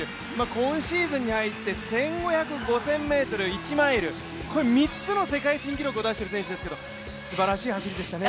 今シーズンに入って１５００ｍ、５０００ｍ、１マイル、３つの世界新記録を出している選手ですけどすばらしい走りでしたね。